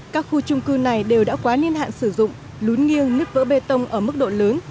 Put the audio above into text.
các khu trung cư này đều đã quá niên hạn sử dụng lún nghiêng nứt vỡ bê tông ở mức độ lớn